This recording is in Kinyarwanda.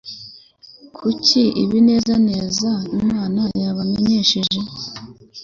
kuki ibinezeza imana yabamenyesheje